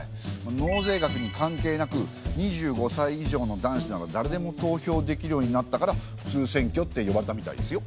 納税額に関係なく２５歳以上の男子ならだれでも投票できるようになったから「普通選挙」って呼ばれたみたいですよ。